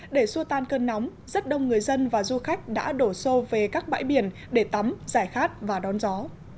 để xua tan cơn nóng rất đông người dân và du khách đã đổ xô về các bãi biển để tắm giải khát và đón gió